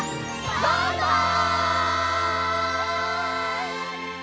バイバイ！